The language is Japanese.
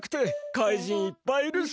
かいじんいっぱいいるし。